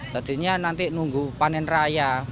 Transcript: jadinya nanti nunggu panen raya